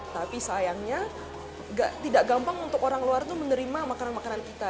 tapi sayangnya tidak gampang untuk orang luar itu menerima makanan makanan kita